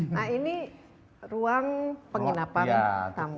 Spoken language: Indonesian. nah ini ruang penginapan tamu